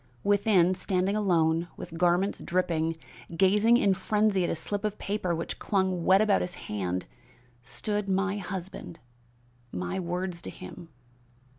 Within, standing alone, with garments dripping, gazing in frenzy at a slip of paper which clung wet about his hand, stood my husband. My words to him!